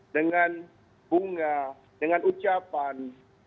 dengan bunga dengan ucapan